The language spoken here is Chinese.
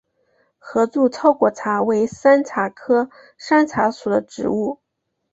合柱糙果茶为山茶科山茶属的植物。